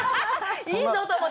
いいぞ！と思って。